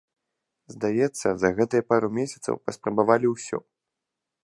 Здаецца за гэтыя пару месяцаў паспрабавалі ўсё.